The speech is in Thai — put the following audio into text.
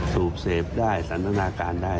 สูบเสพได้สันทนาการได้